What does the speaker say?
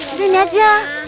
udah ini aja